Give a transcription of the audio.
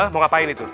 mau ngapain itu